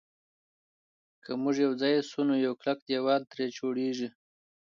که موږ یو ځای شو نو یو کلک دېوال ترې جوړېږي.